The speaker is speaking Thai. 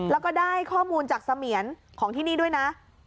แล้วก็ได้ข้อมูลจากเสมียนของที่นี่ด้วยนะ